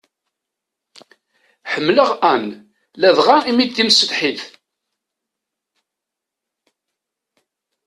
Ḥemmleɣ Anne ladɣa imi d timsetḥit.